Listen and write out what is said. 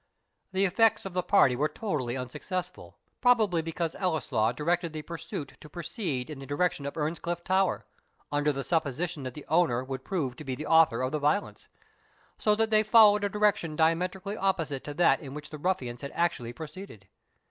The efforts of the party were totally unsuccessful, probably because Ellieslaw directed the pursuit to proceed in the direction of Earnscliff Tower, under the supposition that the owner would prove to be the author of the violence, so that they followed a direction diametrically opposite to that in which the ruffians had actually proceeded.